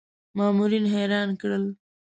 مامورین حیران کړل.